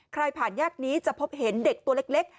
ผ่านแยกนี้จะพบเห็นเด็กตัวเล็ก